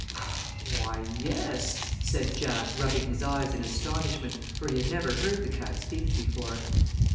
"Why, yes," said Jack, rubbing his eyes in astonishment, for he had never heard the cat speak before.